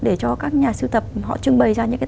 để cho các nhà sưu tập có những cái sự hỗ trợ nhất định